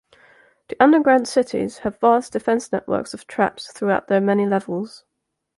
The underground cities have vast defence networks of traps throughout their many levels.